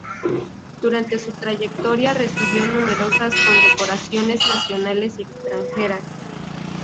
Durante su trayectoria recibió numerosas condecoraciones nacionales y extranjeras.